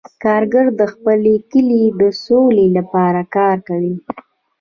کاکړ د خپل کلي د سولې لپاره کار کوي.